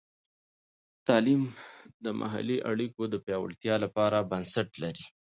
تعلیم د محلي اړیکو د پیاوړتیا لپاره بنسټ لري.